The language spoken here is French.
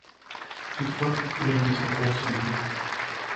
Toutefois, il aime les endroits ensoleillés.